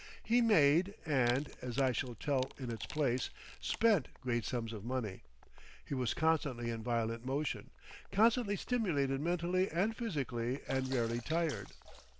He made and, as I shall tell in its place, spent great sums of money. He was constantly in violent motion, constantly stimulated mentally and physically and rarely tired.